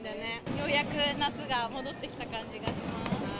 ようやく夏が戻ってきた感じがします。